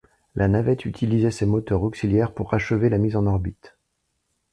La navette utilisait ses moteurs auxiliaires pour achever la mise en orbite.